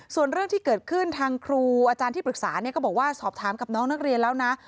ส่วนเรื่องที่เกิดขึ้นทางครูอาจารย์ที่ปรึกษาก็บอกว่าสอบถามกับน้องนักเรียนแล้วนะ